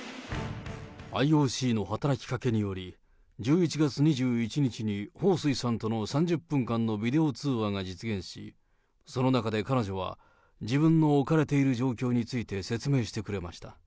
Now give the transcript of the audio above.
ＩＯＣの働きかけにより、１１月２１日に彭帥さんとの３０分間のビデオ通話が実現し、その中で彼女は、自分の置かれている状況について説明してくれました。